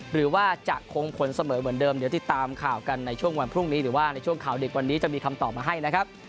หรือว่าจะคงผลเสมอเหมือนเดิมเดี๋ยวติดตามข่าวกันในช่วงวันพรุ่งนี้หรือว่าในช่วงข่าวเด็กวันนี้จะมีคำตอบมาให้นะครับ